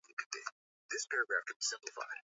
kutokana na tume ya taifa ya uchaguzi